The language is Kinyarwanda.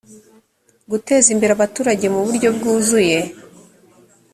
guteza imbere abaturage mu buryo bwuzuye